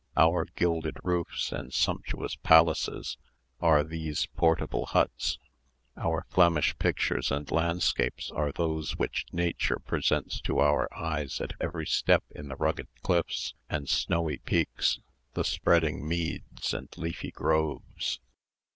Our gilded roofs and sumptuous palaces are these portable huts; our Flemish pictures and landscapes are those which nature presents to our eyes at every step in the rugged cliffs and snowy peaks, the spreading meads and leafy groves.